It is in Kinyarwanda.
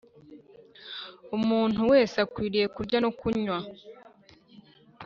Umuntu wese akwiriye kurya no kunywa